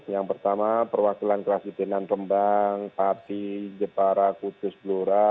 yang pertama perwakilan kerasi denan rembang parti jepara kudus blura